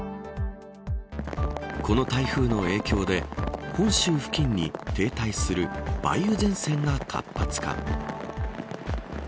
この台風の影響で本州付近に停滞する梅雨前線が活発化。